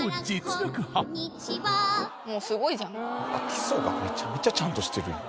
基礎がめちゃめちゃちゃんとしてるやん。